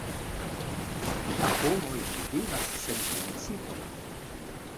La homoj ne vivas sen principoj.